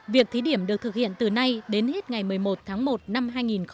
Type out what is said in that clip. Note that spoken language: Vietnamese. việc thí điểm được thực hiện từ nay đến hết ngày một mươi một tháng một năm hai nghìn hai mươi